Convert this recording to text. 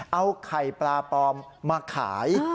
เอาไข่ปลาปลอมมาขาย